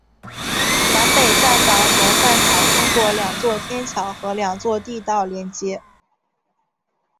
南北站房和站场通过两座天桥和两座地道连接。